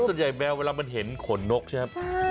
ส่วนใหญ่แมวเวลามันเห็นขนนกใช่ไหมครับ